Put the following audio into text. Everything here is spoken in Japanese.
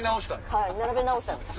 はい並べ直したんです。